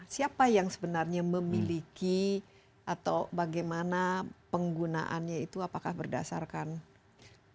siapa yang sebenarnya memiliki atau bagaimana penggunaannya itu apakah berdasarkan informasi